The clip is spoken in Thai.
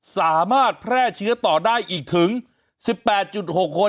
สามารถแพร่เชื้อต่อได้อีกถึง๑๘๖คน